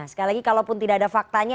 sekali lagi kalaupun tidak ada faktanya